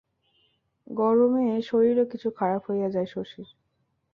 গরমে শরীরও কিছু খারাপ হইয়া যায় শশীর।